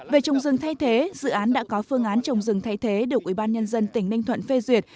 về trồng rừng thay thế dự án đã có phương án trồng rừng thay thế được ubnd tỉnh ninh thuận phê duyệt